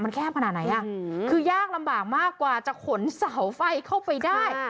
มันแคบขนาดไหนคือยากลำบากมากกว่าจะขนเสาไฟเข้าไปได้